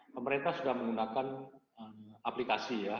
pemerintah sudah menggunakan aplikasi ya